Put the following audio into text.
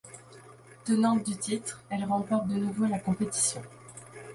Tenante du titre, elle remporte de nouveau la compétition.